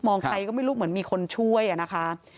ใครก็ไม่รู้เหมือนมีคนช่วยอะนะคะ